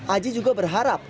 aji juga berharap